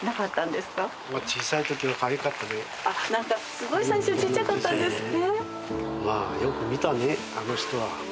すごい最初ちっちゃかったんですって？